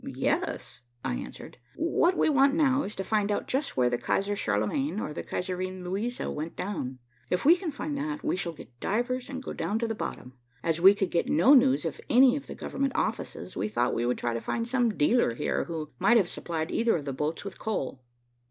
"Yes," I answered. "What we want now is to find out just where the Kaiser Charlemagne or the Kaiserin Luisa went down. If we can find that, we shall get divers and go down to the bottom. As we could get no news at any of the government offices, we thought we would try to find some dealer here who might have supplied either of the boats with coal."